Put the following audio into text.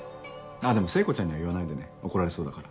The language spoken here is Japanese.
でも聖子ちゃんには言わないでね怒られそうだから。